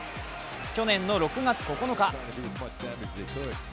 去年の６月９日。